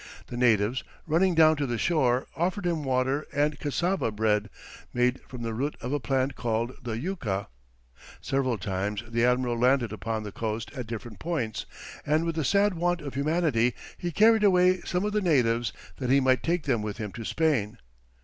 The natives, running down to the shore, offered him water and cassava bread, made from the root of a plant called the "Yucca." Several times the admiral landed upon the coast at different points, and with a sad want of humanity, he carried away some of the natives, that he might take them with him to Spain.